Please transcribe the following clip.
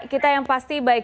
kita yang pasti baik